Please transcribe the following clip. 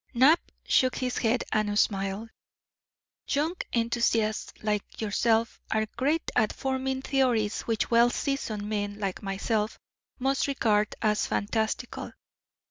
Knapp shook his head and smiled. "Young enthusiasts like yourself are great at forming theories which well seasoned men like myself must regard as fantastical.